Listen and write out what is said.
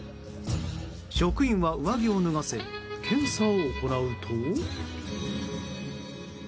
職員は上着を脱がせ検査を行うと。